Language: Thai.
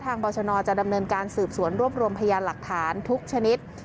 บรชนจะดำเนินการสืบสวนรวบรวมพยานหลักฐานทุกชนิด